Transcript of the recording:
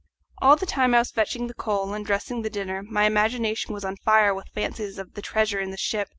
All the time I was fetching the coal and dressing the dinner my imagination was on fire with fancies of the treasure in this ship.